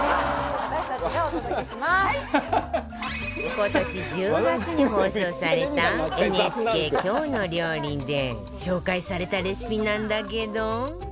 今年１０月に放送された ＮＨＫ『きょうの料理』で紹介されたレシピなんだけど